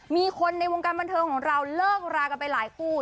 มีคนในวงการบันเทิงของเราเลิกรากันไปหลายคู่